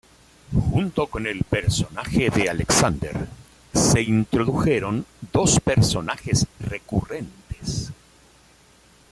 Junto con el personaje de Alexander, se introdujeron dos personajes recurrentes.